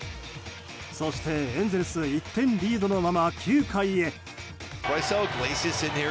そして、エンゼルス１点リードのまま９回へ。